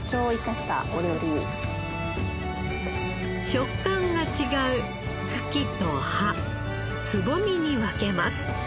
食感が違う茎と葉つぼみに分けます。